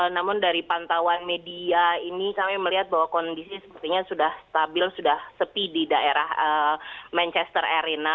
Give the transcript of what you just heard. namun dari pantauan media ini kami melihat bahwa kondisi sepertinya sudah stabil sudah sepi di daerah manchester arena